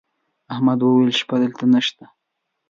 احمد وويل: شپه دلته نشته.